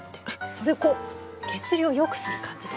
それをこう血流をよくする感じで。